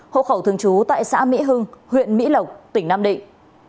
hộ khẩu thường trú tại xã mỹ hưng huyện mỹ lộc tỉnh nam định